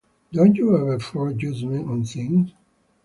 Don't you ever form judgments on things?